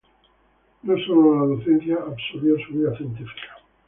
No solo la docencia absorbió su vida científica.